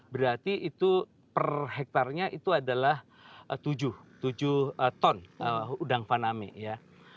berarti itu per hektarnya itu adalah tujuh tujuh ton udang faname ya